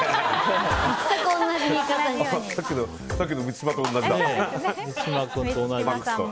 さっきの満島と同じだ。